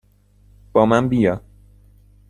با من بیا!